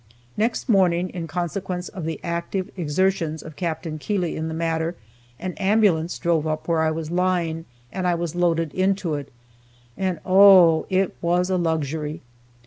Next morning, in consequence of the active exertions of Capt. Keeley in the matter, an ambulance drove up where I was lying, and I was loaded into it, and oh, it was a luxury!